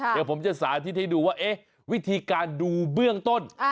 เดี๋ยวผมจะสาธิตให้ดูว่าวิธีการดูเบื้องต้น